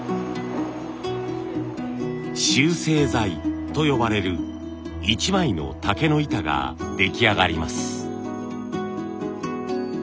集成材と呼ばれる一枚の竹の板が出来上がります。